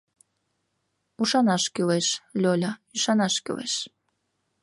Ушанаш кӱлеш, Лёля, ӱшанаш кӱлеш...